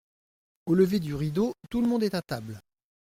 Au lever du rideau, tout le monde est à table.